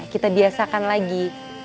kita biasakan lagi